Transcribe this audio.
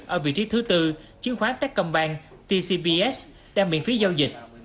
ở vị trí thứ tư chiến khoán techcombank đang miễn phí giao dịch